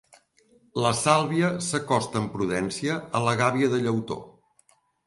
La Sàlvia s'acosta amb prudència a la gàbia de llautó.